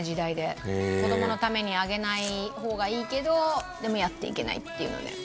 子どものために上げない方がいいけどでもやっていけないっていうので。